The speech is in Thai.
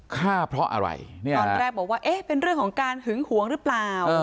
ฆ่าเพราะอะไรเนี่ยตอนแรกบอกว่าเอ๊ะเป็นเรื่องของการหึงหวงหรือเปล่า